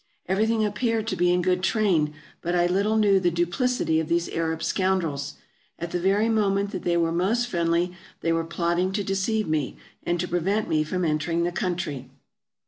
Everything appeared to be in good train, but I little knew the duplicity of these Arab scoundrels. At the very moment that they were most friendly, they were plotting to deceive me, and to prevent me from entering the country.